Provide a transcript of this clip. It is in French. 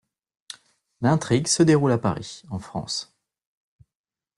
L'intrigue se déroule à Paris, en France.